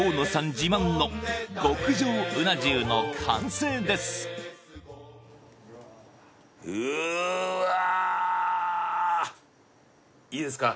自慢の極上うな重の完成ですうわいいですか？